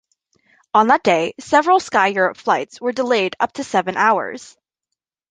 On that day, several SkyEurope flights were delayed up to seven hours.